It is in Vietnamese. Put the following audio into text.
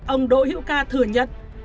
ông đỗ hữu ca thừa nhận